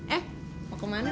eh mau kemana